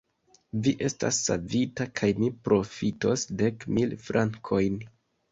Vi estas savita kaj mi profitos dek mil frankojn.